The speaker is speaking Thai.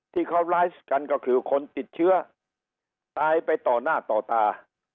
ที่เขาไลฟ์กันก็คือคนติดเชื้อตายไปต่อหน้าต่อตา